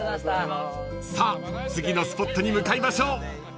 ［さあ次のスポットに向かいましょう］